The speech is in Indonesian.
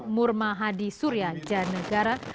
murmahadi surya janegara